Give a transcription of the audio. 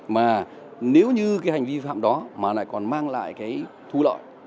mà nếu như cái hành vi phạm đó mà lại còn mang lại cái thu lợi